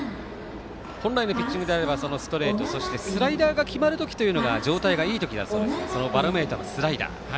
本来のピッチングであればストレート、スライダーが決まるときというのが状態がいい時だそうですがそのバロメーターがスライダー。